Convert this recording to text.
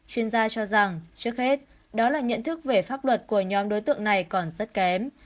chuyên gia cho rằng trước hết đó là nhận thức về pháp luật của nhóm đối tượng này còn rất kém